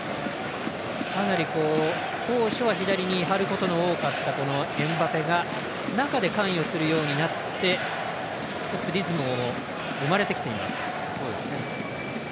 かなり当初は左に張ることが多かったエムバペが中で関与するようになって１つリズムも生まれてきています。